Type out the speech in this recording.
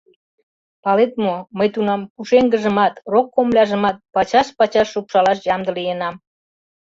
Палет мо, мый тунам пушеҥгыжымат, рок комыляжымат пачаш-пачаш шупшалаш ямде лийынам.